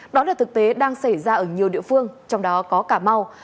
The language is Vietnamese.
đó là thực tế đang xảy ra ở nhiều địa phương trong đó có cà mau